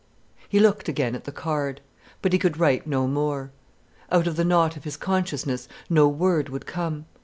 He looked again at the card. But he could write no more. Out of the knot of his consciousness no word would come.